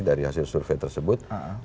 dari hasil survei tersebut